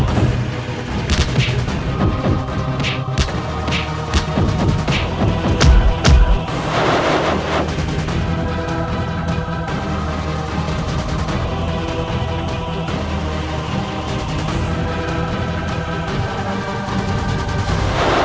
secradi kita lihatous